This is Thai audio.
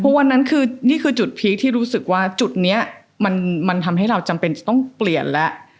เพราะวันนั้นคือนี่คือจุดพีคที่รู้สึกว่าจุดนี้มันทำให้เราจำเป็นจะต้องเปลี่ยนแล้ว